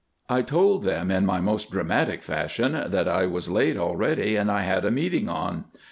I told them in my most dramatic fashion that I was late already, and I had a meeting on.